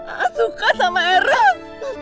a'ah suka sama eros